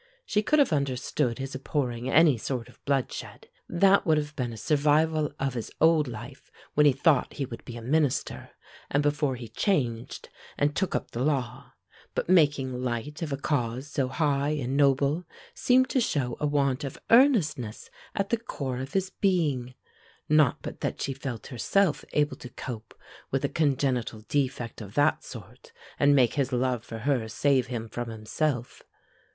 She could have understood his abhorring any sort of bloodshed; that would have been a survival of his old life when he thought he would be a minister, and before he changed and took up the law. But making light of a cause so high and noble seemed to show a want of earnestness at the core of his being. Not but that she felt herself able to cope with a congenital defect of that sort, and make his love for her save him from himself.